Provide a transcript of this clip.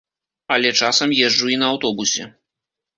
Але часам езджу і на аўтобусе.